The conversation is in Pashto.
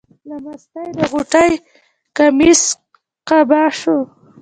له مستۍ د غوټۍ قمیص قبا شو.